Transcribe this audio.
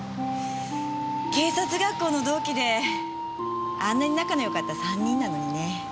警察学校の同期であんなに仲の良かった３人なのにね。